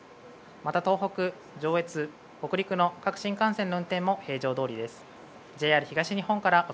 また、東北、上越、北陸の各新幹線の運転も平常どおりです。